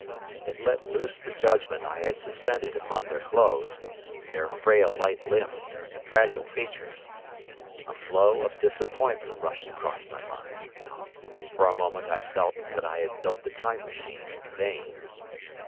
It let loose the judgment I had suspended upon their clothes, their frail light limbs, and fragile features. A flow of disappointment rushed across my mind. For a moment I felt that I had built the Time Machine in vain.